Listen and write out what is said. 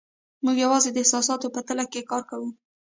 موږ یوازې د احساساتو په تله کار کوو.